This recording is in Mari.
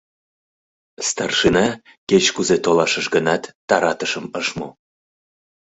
Старшина, кеч-кузе толашыш гынат, таратышым ыш му.